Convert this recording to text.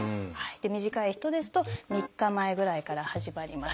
短い人ですと３日前ぐらいから始まります。